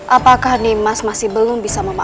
apakah nimas masih belum bisa memahami